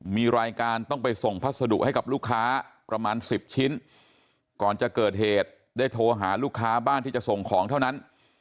มีรายการต้องไปส่งพัสดุให้กับลูกค้าประมาณสิบชิ้นก่อนจะเกิดเหตุได้โทรหาลูกค้าบ้านที่จะส่งของเท่านั้น